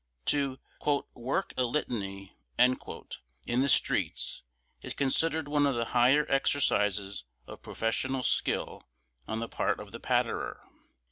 To "work a litany" in the streets is considered one of the higher exercises of professional skill on the part of the patterer.